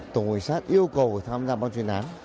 tổng hội sát yêu cầu tham gia ban chuyên án